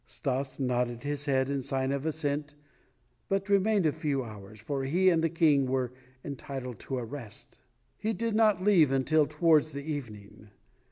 Stas nodded his head in sign of assent but remained a few hours, for he and the King were entitled to a rest. He did not leave until towards the evening.